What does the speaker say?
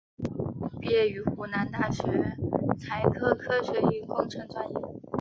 毕业于湖南大学材料科学与工程专业。